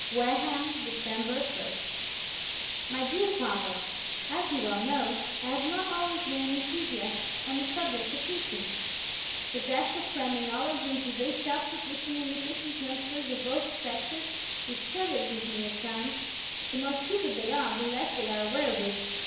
Wareham, December 1st My Dear Father, As you well know, I have not always been an enthusiast on the subject of teaching. The task of cramming knowledge into these self sufficient, inefficient youngsters of both sexes discourages me at times. The more stupid they are, the less they are aware of it.